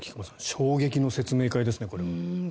衝撃の説明会ですね、これは。